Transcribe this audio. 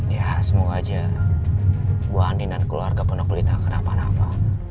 ya semoga aja bu andi dan keluarga punak belita kenapa napa